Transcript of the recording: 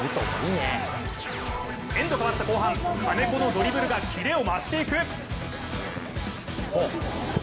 エンド変わった後半金子のドリブルが切れを増していく！